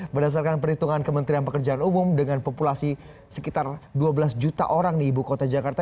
berdasarkan perhitungan kementerian pekerjaan umum dengan populasi sekitar dua belas juta orang di ibu kota jakarta